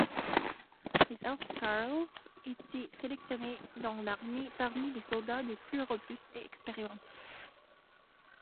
Les housecarls étaient sélectionnés dans l'armée parmi les soldats les plus robustes et expérimentés.